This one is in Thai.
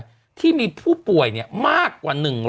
คือพวกมีผู้ป่วยเนี่ยมากกว่า